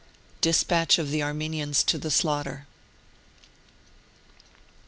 DESPATCH OF THE ARMENIANS TO THE SLAUGHTER.